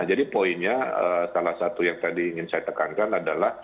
nah jadi poinnya salah satu yang tadi ingin saya tekankan adalah